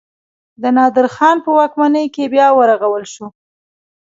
د نادر خان په واکمنۍ کې بیا ورغول شو.